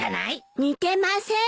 似てません！